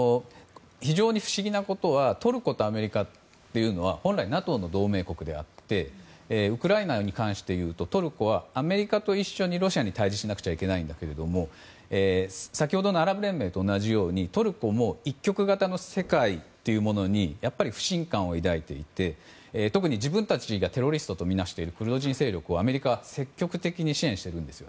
非常に不思議なことはトルコとアメリカというのは本来、ＮＡＴＯの同盟国でウクライナに関していうとトルコは、アメリカと一緒にロシアに対峙しなければいけないんだけど先ほどのアラブ連盟と同じようにトルコも一極型の世界にやっぱり不信感を抱いていて特に自分たちがテロリストとみなしているクルド人勢力をアメリカは積極的に支援しているんです。